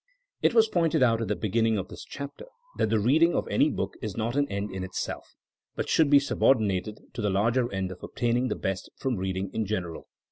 It was pointed out at the beginning of this chapter that the reading of any book is not an end in itself, but should be subordinated to the larger end of obtaining the best from reading in general.